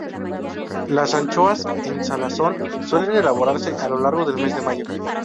Las anchoas en salazón suelen elaborarse a lo largo del mes de mayo.